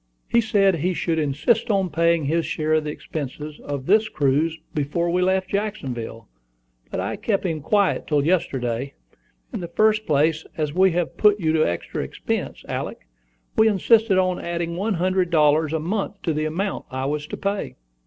"He said he should insist on paying his share of the expenses of this cruise before we left Jacksonville; but I kept him quiet till yesterday. In the first place, as we have put you to extra expense, Alick, we insisted on adding one hundred dollars a month to the amount I was to pay."